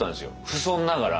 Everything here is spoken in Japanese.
不遜ながら。